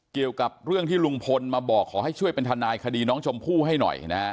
เกี่ยวกับเรื่องที่ลุงพลมาบอกขอให้ช่วยเป็นทนายคดีน้องชมพู่ให้หน่อยนะฮะ